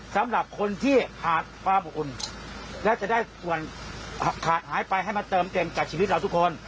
สำหรับคนที่ขาดความอบอุ่นและจะได้ส่วนขาดหายไปให้มาเติมเต็มจากชีวิตเราทุกคน